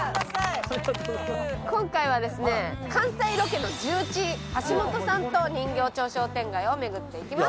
今回はですね関西ロケの重鎮橋本さんと人形町商店街を巡っていきます。